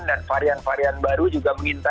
dan varian varian baru ini akan menyebabkan keguguran